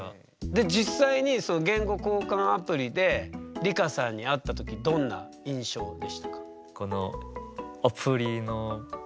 で実際に言語交換アプリで梨花さんに会った時どんな印象でしたか？